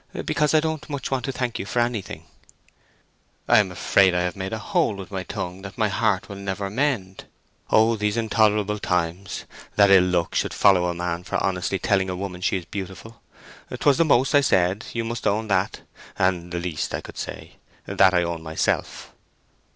"Because I don't much want to thank you for anything." "I am afraid I have made a hole with my tongue that my heart will never mend. O these intolerable times: that ill luck should follow a man for honestly telling a woman she is beautiful! 'Twas the most I said—you must own that; and the least I could say—that I own myself."